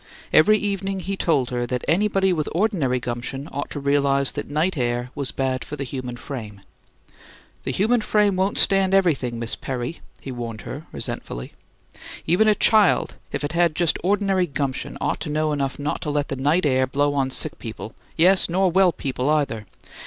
Every evening he told her that anybody with ordinary gumption ought to realize that night air was bad for the human frame. "The human frame won't stand everything, Miss Perry," he warned her, resentfully. "Even a child, if it had just ordinary gumption, ought to know enough not to let the night air blow on sick people yes, nor well people, either!